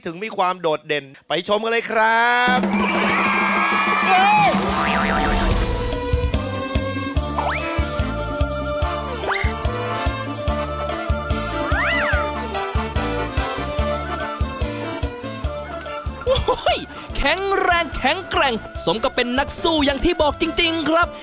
อุ้ยแข็งแรงแข็งแกร่งสมกับเป็นนักสู้อย่างที่บอกจริงจริงครับ